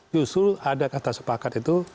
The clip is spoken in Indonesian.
justru ada kata sepakat itu